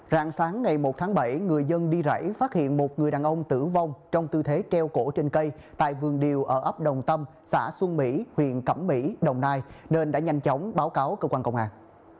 rạng sáng ngày một tháng bảy người dân đi rẫy phát hiện một người đàn ông tử vong trong tư thế treo cổ trên cây tại vườn điều ở ấp đồng tâm xã xuân mỹ huyện cẩm mỹ đồng nai nên đã nhanh chóng báo cáo cơ quan công an